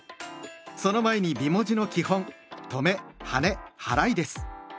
その前に美文字の基本「とめ・はねはらい」です。